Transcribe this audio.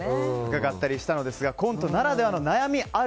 伺ったりしたのですがコントあるあるの悩み。